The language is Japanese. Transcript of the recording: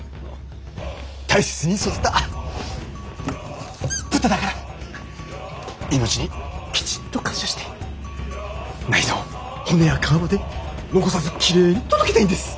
大切に育てた豚だから命にきちんと感謝して内臓骨や皮まで残さずきれいに届けたいんです。